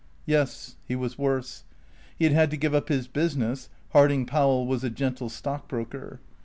Yes, he was worse. He had had to give up his business (Harding Powell was a gentle stockbroker).